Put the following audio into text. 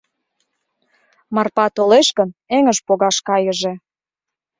Марпа толеш гын, эҥыж погаш кайыже.